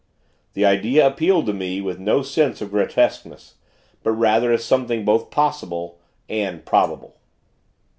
The idea appealed to me with no sense of grotesqueness; but rather as something both possible and probable.